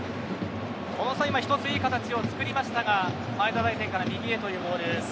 小野さん、１つ今いい形を作りましたが前田大然から右へというボールでした。